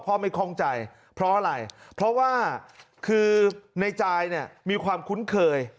ไม่คล่องใจเพราะอะไรเพราะว่าคือในจายเนี่ยมีความคุ้นเคย